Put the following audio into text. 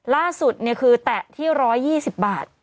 ล่าสุดคือแตะที่๑๒๐บาท